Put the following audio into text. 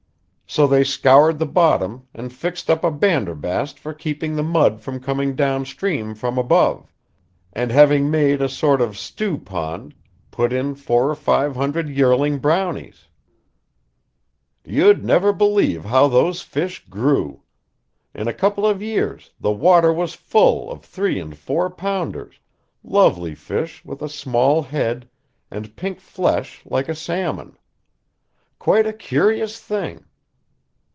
So they scoured the bottom and fixed up a banderbast for keeping the mud from coming downstream from above, and having made a sort of stewpond, put in four or five hundred yearling brownies. You'd never believe how those fish grew. In a couple of years the water was full of three and four pounders, lovely fish with a small head and pink flesh like a salmon. Quite a curious thing!